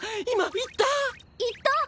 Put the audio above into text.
今言った？